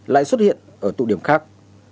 lại xuất hiện ở tụ điểm khác